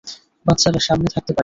বাচ্চারা সামনে থাকতে পারে।